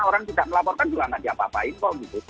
orang tidak melaporkan juga nggak diapa apain kok gitu